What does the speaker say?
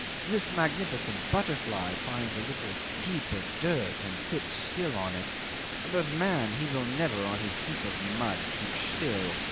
"This magnificent butterfly finds a little heap of dirt and sits still on it; but man he will never on his heap of mud keep still.